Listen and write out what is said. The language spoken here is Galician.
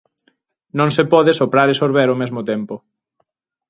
Non se pode soprar e sorber ao mesmo tempo.